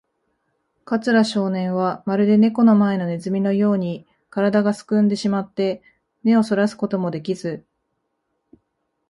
桂少年は、まるでネコの前のネズミのように、からだがすくんでしまって、目をそらすこともできず、